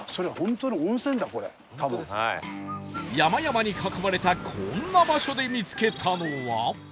山々に囲まれたこんな場所で見つけたのは